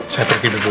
saya pergi dulu ya